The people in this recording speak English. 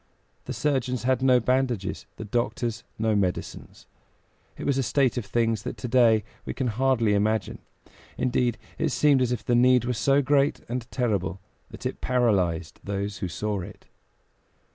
The surgeons had no bandages, the doctors no medicines; it was a state of things that to day we can hardly imagine. Indeed, it seemed as if the need were so great and terrible that it paralyzed those who saw it.